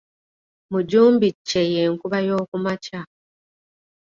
Mujumbi kye ye nkuba y'okumakya.